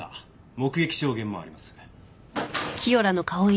目撃証言もあります。